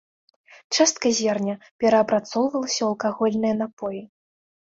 Частка зерня перапрацоўвалася ў алкагольныя напоі.